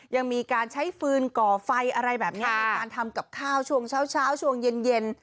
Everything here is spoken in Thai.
ยังมีการใช้ฟืนก่อไฟอะไรแบบนี้ในการทำกับข้าวช่วงเช้าช่วงเย็น